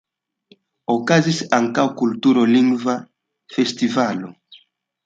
Okazis ankaŭ kultur-lingva festivalo.